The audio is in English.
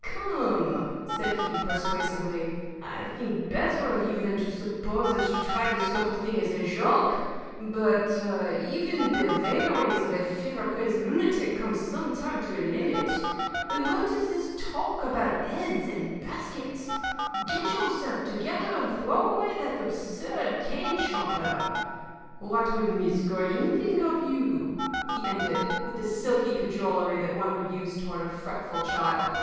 "Come," said he, persuasively, "I think better of you than to suppose that you try this sort of thing as a joke. But even the vagaries of a fever crazed lunatic come some time to a limit. What is this talk about heads and baskets? Get yourself together and throw away that absurd cane chopper. What would Miss Greene think of you?" he ended, with the silky cajolery that one would use toward a fretful child.